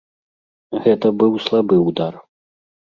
Гэта быў слабы ўдар.